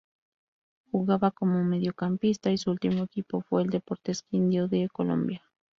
Jugaba como mediocampista y su ultimo equipo fue el Deportes Quindío de Colombia.